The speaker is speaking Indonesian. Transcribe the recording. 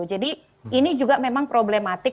jadi ini juga memang problematik